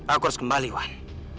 aku harus kembali wan